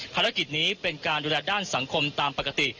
ภารกิจนี้เป็นการดูแลด้านสังคมตามปกติ